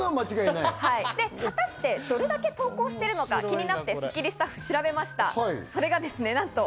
果たしてどれだけ投稿してるのか、スッキリスタッフが調べました。